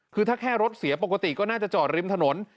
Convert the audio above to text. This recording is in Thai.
คือถ้าแค่รถเสียปกติก็น่าจะจอดริมถนน